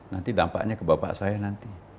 nanti dampaknya ke bapak saya nanti